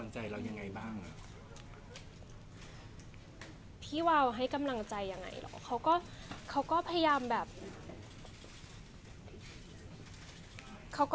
แล้วพี่วางให้กำลังใจแล้วยังไงบ้าง